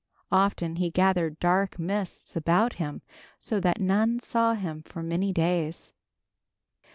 Often he gathered dark mists about him so that none saw him for many days.